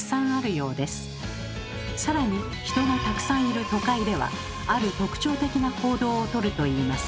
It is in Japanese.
さらに人がたくさんいる都会ではある特徴的な行動を取るといいます。